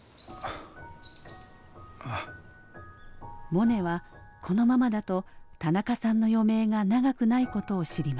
モネはこのままだと田中さんの余命が長くないことを知ります。